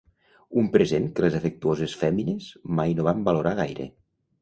Un present que les afectuoses fèmines mai no van valorar gaire.